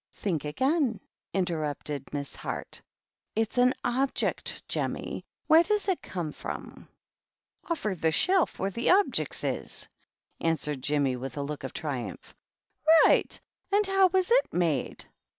" Think again," interrupted Miss Heart. " It's an Object J Jemmy. Where does it come from ?"" Offer the shelf where the Objic's is," answered Jemmy, with a look of triumph. " Right. And how was it made